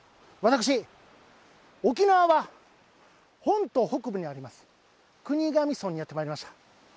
私、沖縄は本島北部にあります、国頭村にやってまいりました。